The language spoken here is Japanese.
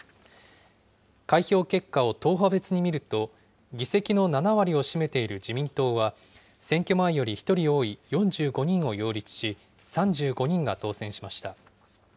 開票結果を党派別に見ると、議席の７割を占めている自民党は、選挙前より１人多い４５人を擁立し、３５人が当選しました。